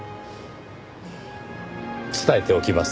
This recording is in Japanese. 伝えておきます。